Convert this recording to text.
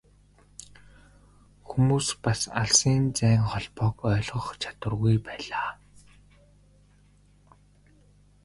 Хүмүүс бас алсын зайн холбоог ойлгох чадваргүй байлаа.